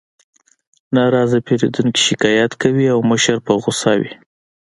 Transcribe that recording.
ناراضه پیرودونکي شکایت کوي او مشر په غوسه وي